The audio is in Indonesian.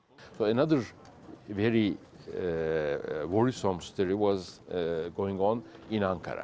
kisah yang menakutkan berlaku di ankara